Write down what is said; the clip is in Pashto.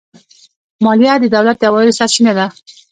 مالیه د دولت د عوایدو سرچینه ده.